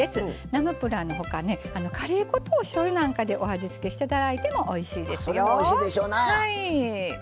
ナムプラーのほかカレー粉とおしょうゆなんかでお味付けしていただいてもおいしいですよ。